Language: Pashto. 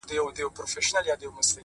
• کیسه دي راوړه راته قدیمه ,